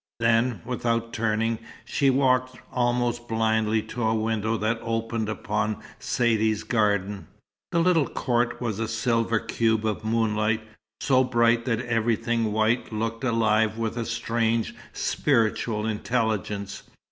Then, without turning, she walked almost blindly to a window that opened upon Saidee's garden. The little court was a silver cube of moonlight, so bright that everything white looked alive with a strange, spiritual intelligence.